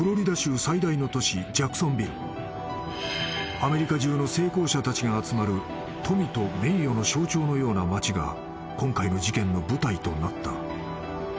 ［アメリカ中の成功者たちが集まる富と名誉の象徴のような町が今回の事件の舞台となった］